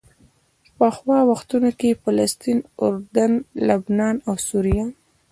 پخوا وختونو کې فلسطین، اردن، لبنان او سوریه.